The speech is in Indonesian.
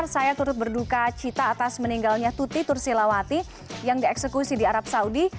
saya turut berduka cita atas meninggalnya tuti tursilawati yang dieksekusi di arab saudi